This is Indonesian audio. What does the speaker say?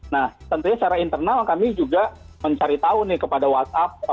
nah tentunya secara internal kami juga mencari tahu nih kepada whatsapp